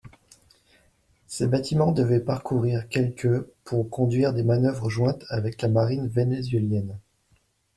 Ces bâtiments devaient parcourir quelques pour conduire des manœuvres jointes avec la Marine vénézuélienne.